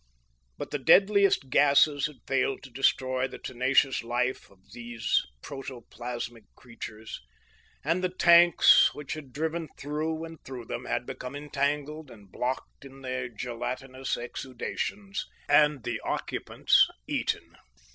But the deadliest gases had failed to destroy the tenacious life of these protoplasmic creatures, and the tanks, which had driven through and through them, had become entangled and blocked in the gelatinous exudations, and their occupants eaten.